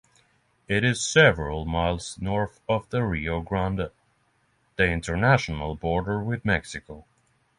It is several miles north of the Rio Grande, the international border with Mexico.